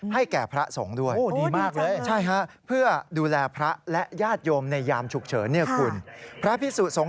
ให้แก่พระสงฆ์ด้วยเพื่อดูแลพระและญาติโยมในยามฉุกเฉินเนื้อคุณพระพิสุสงฆ์